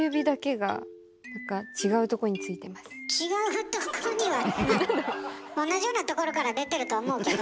違うとこには同じようなところから出てると思うけど。